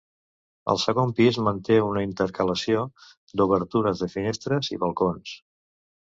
El segon pis manté una intercalació d'obertures de finestres i balcons.